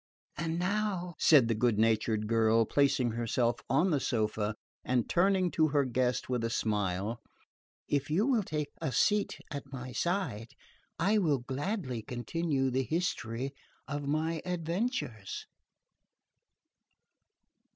"And now," said the good natured girl, placing herself on the sofa and turning to her guest with a smile, "if you will take a seat at my side I will gladly continue the history of my adventures"...